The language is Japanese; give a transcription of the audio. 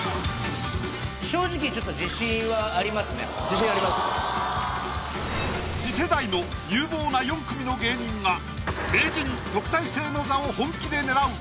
正直ちょっと次世代の有望な４組の芸人が名人・特待生の座を本気で狙う。